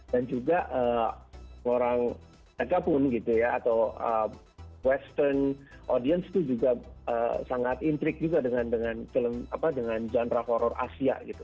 dan juga orang tegak pun gitu ya atau western audience itu juga sangat intrik juga dengan film dengan genre horor asia gitu